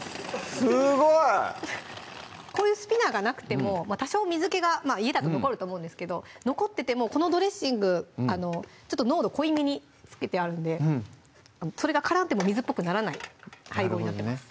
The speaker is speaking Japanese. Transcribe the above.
すごいこういうスピナーがなくても多少水けが家だと残ると思うんですけど残っててもこのドレッシング濃度濃いめにつけてあるんでそれが絡んでも水っぽくならない配合になってます